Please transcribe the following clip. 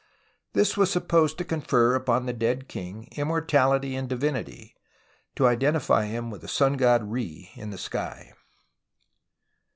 This was supposed to confer upon the dead king immortality and divinity, to identify him with the sun god Re in the sky.